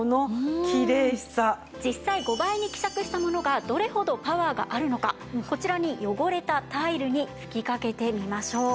実際５倍に希釈したものがどれほどパワーがあるのかこちら汚れたタイルに吹きかけてみましょう。